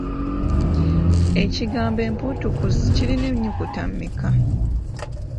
Ekigambo empuutukuzi kirina ennyukuta mmeka?